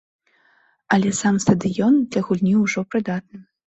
Але сам стадыён для гульні ўжо прыдатны.